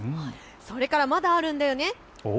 それからまだあるんだよね。